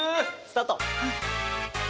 スタート。